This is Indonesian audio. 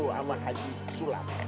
sama haji sulam